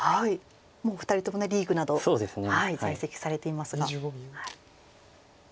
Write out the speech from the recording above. もうお二人ともリーグなど在籍されていますが。